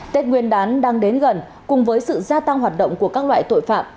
tết nguyên đán đang đến gần cùng với sự gia tăng hoạt động của các loại tội phạm